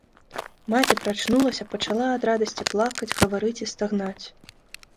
Маці прачнулася, пачала ад радасці плакаць, гаварыць і стагнаць.